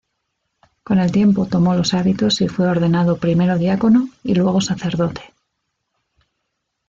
Con el tiempo tomó los hábitos y fue ordenado primero diácono y luego sacerdote.